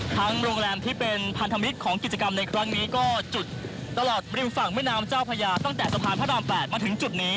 โรงแรมที่เป็นพันธมิตรของกิจกรรมในครั้งนี้ก็จุดตลอดริมฝั่งแม่น้ำเจ้าพญาตั้งแต่สะพานพระราม๘มาถึงจุดนี้